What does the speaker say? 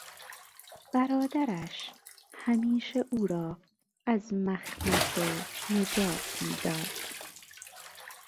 برادرش همیشه او را از مخمصه نجات میداد.